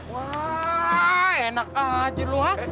wah enak aja lu hah